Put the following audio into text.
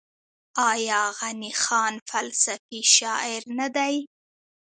آیا غني خان فلسفي شاعر نه دی؟